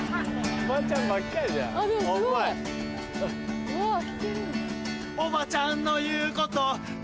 おばちゃんばっかりじゃん。おっうまい。